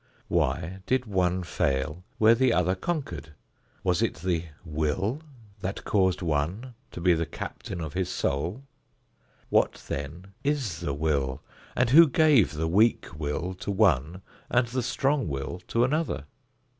Why did one fail where the other conquered? Was it the "will" that caused one to be the "captain of his soul"? What then is the "will" and who gave the weak will to one and the strong will to another?